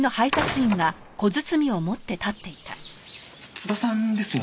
津田さんですよね？